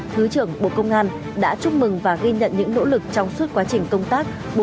thứ trưởng bộ công an đã chúc mừng và ghi nhận những nỗ lực trong suốt quá trình công tác